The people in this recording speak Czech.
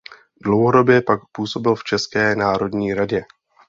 Dlouhodobě pak působil v České národní radě.